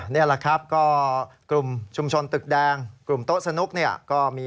นี่แหละครับก็กลุ่มชุมชนตึกแดงกลุ่มโต๊ะสนุกเนี่ยก็มี